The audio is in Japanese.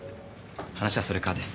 話はそれからです。